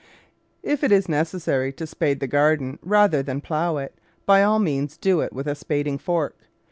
If it is necessary to spade the garden rather than plough it, by all means do it with a spading fork.